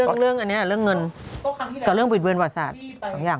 เรื่องอันนี้เรื่องเงินกับเรื่องบิดเวือนประวัติศาสตร์สองอย่าง